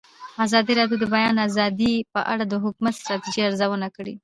ازادي راډیو د د بیان آزادي په اړه د حکومتي ستراتیژۍ ارزونه کړې.